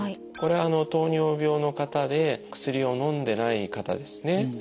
これは糖尿病の方で薬をのんでない方ですね。